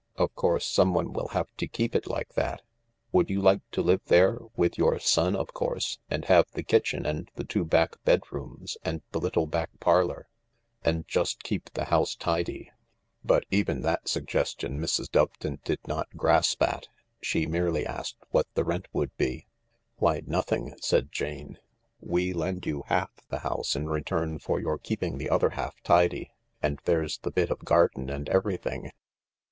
Of course someone will have to keep it like that. Would you like to live there, with your son, of course, and have the kitchen and the two back bedrooms and the little back parlour, and just keep the house tidy ?" But even that suggestion Mrs. Doveton did not grasp at. She merely asked what the rent would be. " Why, nothing !" said Jane. " We lend you half the house in return for your keeping the other half tidy. And there's the bit of garden and everything."